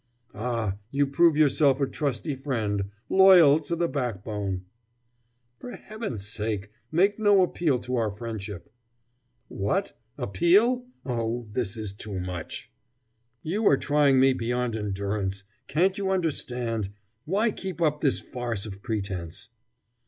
"Ah, you prove yourself a trusty friend loyal to the backbone!" "For Heaven's sake, make no appeal to our friendship!" "What! Appeal? I? Oh, this is too much!" "You are trying me beyond endurance. Can't you understand? Why keep up this farce of pretense?"